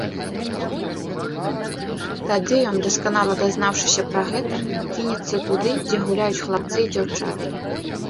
Тады ён, дасканала дазнаўшыся пра гэта, кінецца туды, дзе гуляюць хлапцы і дзяўчаты.